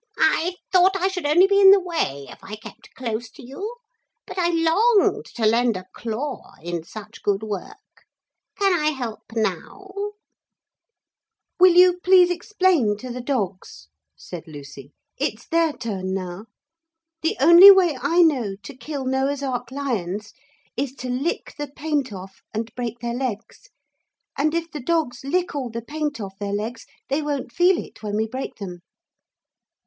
'I thought I should only be in the way if I kept close to you. But I longed to lend a claw in such good work. Can I help now?' 'Will you please explain to the dogs?' said Lucy. 'It's their turn now. The only way I know to kill Noah's Ark lions is to lick the paint off and break their legs. And if the dogs lick all the paint off their legs they won't feel it when we break them.'